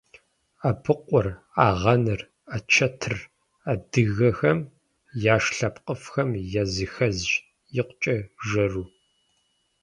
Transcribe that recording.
Абыкъур, агъэныр, ачэтыр - адыгэхэм яш лъэпкъыфӏхэм языхэзщ, икъукӏэ жэру.